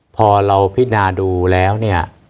พอเราพินาดูแล้วเนี่ย